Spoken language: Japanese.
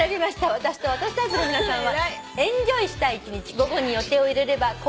私と私タイプの皆さんは。